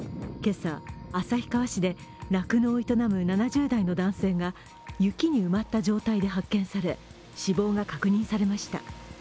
今朝、旭川市で酪農を営む７０代の男性が雪に埋まった状態で発見され、死亡が確認されました。